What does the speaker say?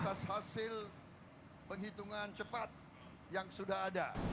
atas hasil penghitungan cepat yang sudah ada